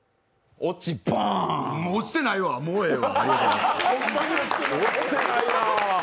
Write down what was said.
落ちてないわ、もうええわ。